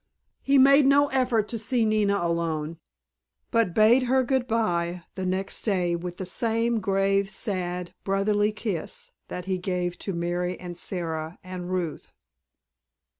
He made no effort to see Nina alone, but bade her good bye the next day with the same grave, sad, brotherly kiss that he gave to Mary and Sara and Ruth.